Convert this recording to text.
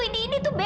indi indi tuh beda